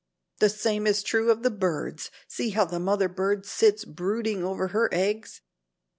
The same is true of the birds. See how the mother bird sits brooding over her eggs.